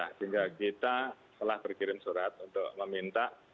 sehingga kita telah berkirim surat untuk meminta